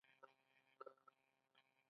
ایا زه به ښایسته شم؟